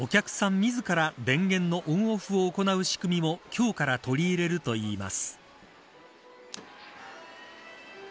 自ら電源のオン、オフを行う仕組みも今日から取り入れるといいます。